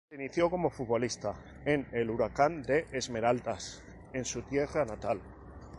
Se inició como futbolista en el Huracán de Esmeraldas, en su tierra natal.